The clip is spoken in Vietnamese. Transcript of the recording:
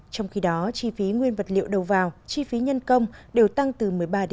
trong khi đó chi phí nguyên vật liệu đầu vào chi phí nhân công đều tăng từ một mươi ba một mươi năm